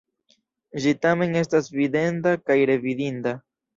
Ĝi tamen estas videnda kaj revidinda.